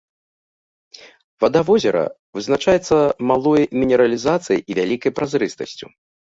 Вада возера вызначаецца малой мінералізацыяй і вялікай празрыстасцю.